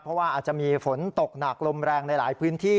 เพราะว่าอาจจะมีฝนตกหนักลมแรงในหลายพื้นที่